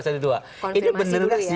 konfirmasi dulu ya